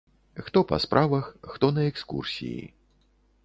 Хто па справах, хто на экскурсіі.